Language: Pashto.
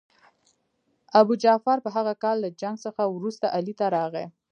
ابوجعفر په هغه کال له جنګ څخه وروسته علي ته راغی.